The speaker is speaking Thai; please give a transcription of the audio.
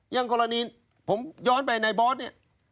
อย่างกรณีผมย้อนไปในบอสเนี่ย